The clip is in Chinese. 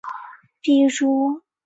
比如